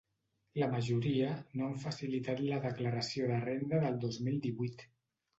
La majoria no han facilitat la declaració de renda del dos mil divuit.